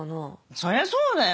そりゃそうだよ。